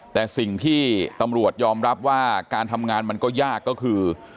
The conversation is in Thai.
แต่สิ่งที่ตำรวจยอมรับว่าการทำงานมันก็ยากก็คือ